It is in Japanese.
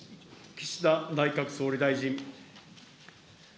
岸田内閣総理大臣。